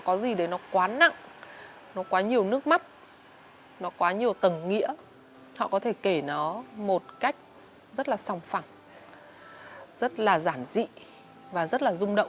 con sớm mà thiếu